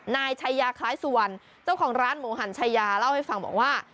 นายชายาคล้ายสุวรรณเจ้าของร้านหมูหันชายาเล่าให้ฟังบอกว่า